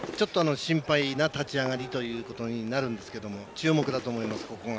心配な立ち上がりということになるんですけど注目だと思います。